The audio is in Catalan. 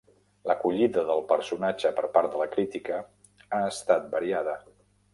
L'acollida del personatge per part de la crítica ha estat variada.